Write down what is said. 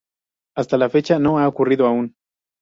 Hasta la fecha no ha ocurrido aún.